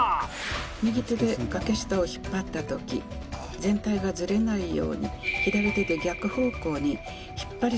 右手で掛下を引っ張った時全体がズレないように左手で逆方向に引っ張り続けないといけません。